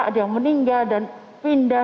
ada yang meninggal dan pindah